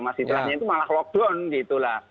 masih hanya itu malah lockdown gitu lah